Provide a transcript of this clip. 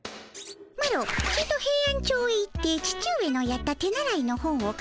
マロちとヘイアンチョウへ行って父上のやった手習いの本をかりてくるでの。